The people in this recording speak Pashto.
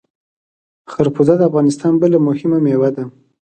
خربوزه د افغانستان بله مهمه میوه ده.